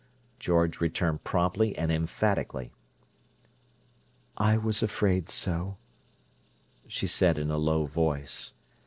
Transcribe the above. George returned promptly and emphatically. "I was afraid so," she said in a low voice.